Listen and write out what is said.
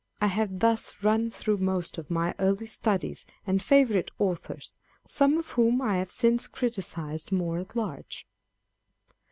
I have thus run through most of my early studies and favourite authors, some of whom I have since criticised more at large.